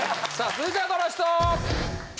続いてはこの人！